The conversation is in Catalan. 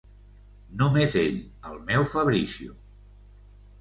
Només ell, el meu Fabrizio...